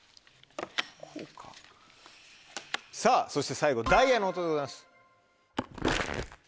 さぁそして最後ダイヤの音でございます。